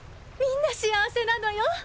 みんな幸せなのよ。